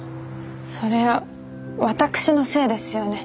それ私のせいですよね。